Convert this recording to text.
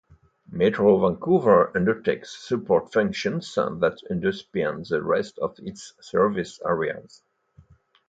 Metro Vancouver undertakes support functions that underpin the rest of its service areas.